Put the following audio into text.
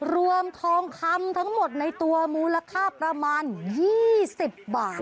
รวมทองคำทั้งหมดในตัวมูลค่าประมาณ๒๐บาท